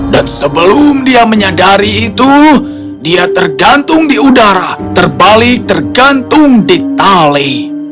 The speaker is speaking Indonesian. dan sebelum dia menyadari itu dia tergantung di udara terbalik tergantung di tali